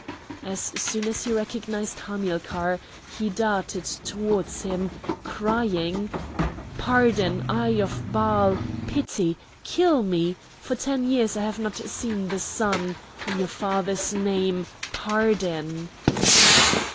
As soon as he recognised Hamilcar he darted towards him, crying: "Pardon, Eye of Baal! pity! kill me! For ten years I have not seen the sun! In your father's name, pardon!"